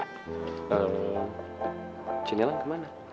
lalu cinilang kemana